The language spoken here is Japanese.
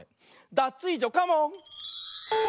ダツイージョカモン！